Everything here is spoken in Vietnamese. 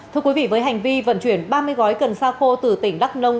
thưa quý vị với hành vi vận chuyển ba mươi gói cần sa khô từ tỉnh đắk nông